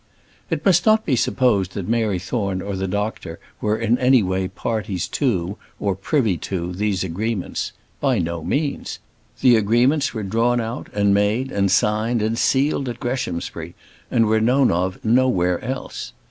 It must not be supposed that Mary Thorne or the doctor were in any way parties to, or privy to these agreements. By no means. The agreements were drawn out, and made, and signed, and sealed at Greshamsbury, and were known of nowhere else.